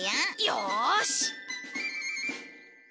よし！